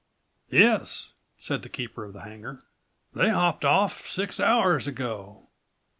"Yes," said the keeper of the hangar, "they hopped off six hours ago.